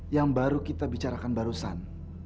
yang baru kita bicarakan barusan